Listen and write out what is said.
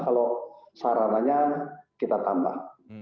kalau sarananya kita tambah